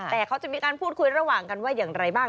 แต่เขาจะมีการพูดคุยระหว่างกันว่าอย่างไรบ้าง